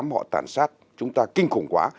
họ tàn sát chúng ta kinh khủng quá